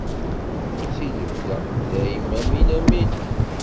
Si lebda, i dayem! Amin! Amin!